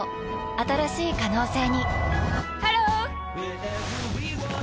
新しい可能性にハロー！